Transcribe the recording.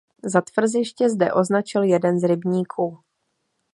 Za tvrziště zde označil jeden z rybníků.